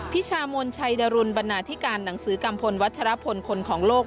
พิชามนชัยดรุนบรรณาธิการหนังสือกัมพลวัชรพลคนของโลก